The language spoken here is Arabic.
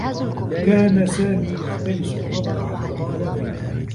كان سامي يختلس النّظر عبر النّوافذ.